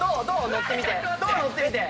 乗ってみて。